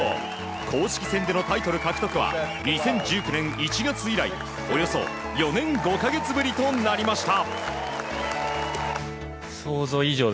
公式戦でのタイトル獲得は２０１９年１月以来およそ４年５か月ぶりとなりました。